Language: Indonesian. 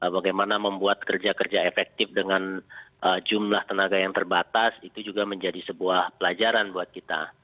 bagaimana membuat kerja kerja efektif dengan jumlah tenaga yang terbatas itu juga menjadi sebuah pelajaran buat kita